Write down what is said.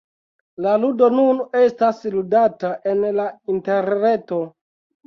La ludo nun estas ludata en la interreto.